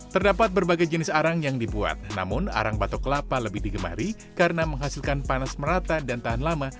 terdapat berbagai jenis arang yang dibuat namun arang batok kelapa lebih digemari karena menghasilkan panas merata dan tahan lama